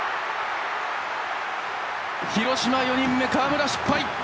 広島、４人目の川村は失敗！